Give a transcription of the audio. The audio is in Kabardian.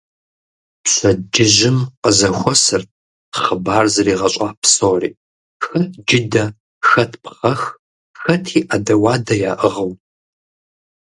Пщэдджыжьым къызэхуэсырт хъыбар зригъэщӀа псори, хэт джыдэ, хэт пхъэх, хэти Ӏэдэ-уадэ яӀыгъыу.